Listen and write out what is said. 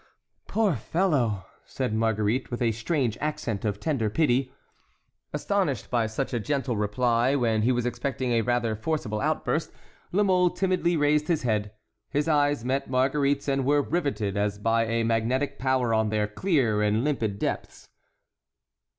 "Poor fellow!" said Marguerite, with a strange accent of tender pity. Astonished by such a gentle reply when he was expecting a rather forcible outburst, La Mole timidly raised his head; his eyes met Marguerite's and were riveted as by a magnetic power on their clear and limpid depths.